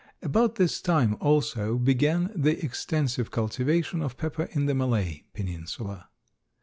About this time, also, began the extensive cultivation of pepper in the Malay peninsula.